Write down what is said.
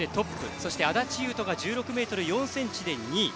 そして安立雄斗が１６ｍ４ｃｍで２位。